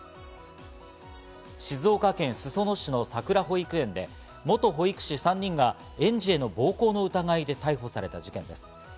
静岡県裾野市のさくら保育園で、元保育士３人が園児への暴行の疑いで逮捕された事件です。